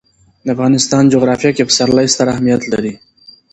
د افغانستان جغرافیه کې پسرلی ستر اهمیت لري.